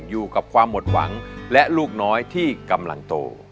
อยู่กับความหมดหวังและลูกน้อยที่กำลังโต